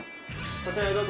こちらへどうぞ！